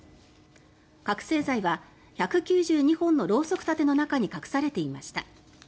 覚醒剤は１９２本のろうそく立ての中に隠されていました。